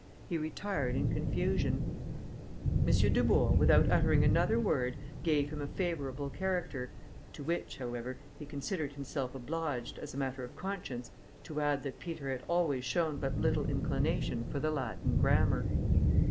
He retired in confusion. M. Dubourg, without uttering another word, gave him a favourable character, to which, however, he considered himself obliged, as a matter of conscience, to add, that Peter had always shown but little inclination for the Latin grammar.